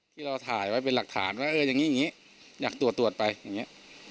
ที่เราถ่ายไว้เป็นหลักฐานว่าเอออย่างนี้อย่างนี้อยากตรวจตรวจไปอย่างนี้